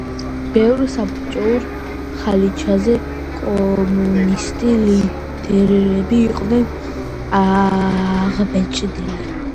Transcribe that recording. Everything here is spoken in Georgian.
ბევრ „საბჭოურ ხალიჩაზე“ კომუნისტი ლიდერები იყვნენ აღბეჭდილი.